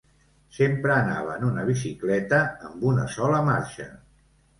Sempre anava en una bicicleta amb una sola marxa.